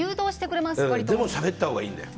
でも、しゃべったほうがいいよ。